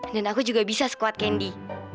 dan aku juga bisa sekuat candy